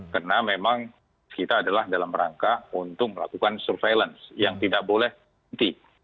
karena memang kita adalah dalam rangka untuk melakukan surveillance yang tidak boleh berhenti